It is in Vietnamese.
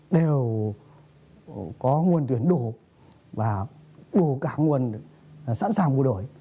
đều có nguồn tuyển đủ và đủ cả nguồn sẵn sàng bù đổi